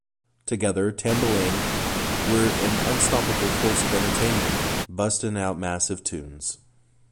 Together, Tambalane were an unstoppable force of entertainment, bustin' out massive tunes.